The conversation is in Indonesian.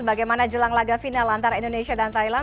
bagaimana jelang laga final antara indonesia dan thailand